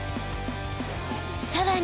［さらに］